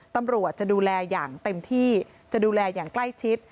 ตำรวจจะดูแลอย่างเต็มที่จะดูแลอย่างใกล้ชิด